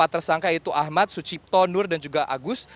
empat tersangka yaitu ahmad sucipto nur dan juga agus